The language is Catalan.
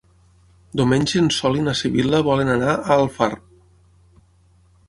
Diumenge en Sol i na Sibil·la volen anar a Alfarb.